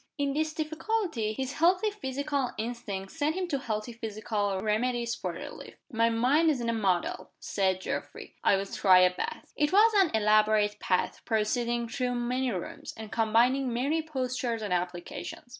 In this difficulty, his healthy physical instincts sent him to healthy physical remedies for relief. "My mind's in a muddle," said Geoffrey. "I'll try a bath." It was an elaborate bath, proceeding through many rooms, and combining many postures and applications.